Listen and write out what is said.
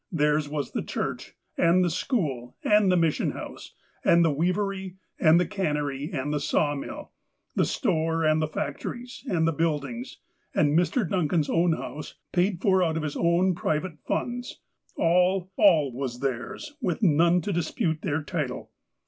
Theirs was the church, and the school, and the mission house, and the weavery, and the cannery, and the sawmill, the store, and the factories, and the buildings, and Mr. Dun can's own house, paid for out of his own ''private" funds. All — all was theirs, with none to dispute their title.